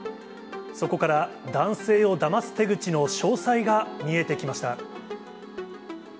そこから男性をだます手口の詳細が見えてきました。